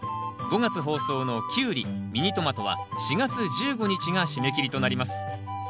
５月放送のキュウリミニトマトは４月１５日が締め切りとなります。